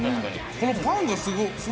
このパンがすごい。